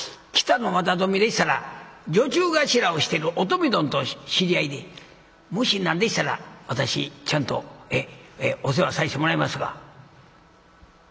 北の綿富でしたら女中頭をしてるお富どんと知り合いでもし何でしたら私ちゃんとお世話させてもらいますが」。